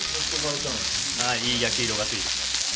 いい焼き色がついています。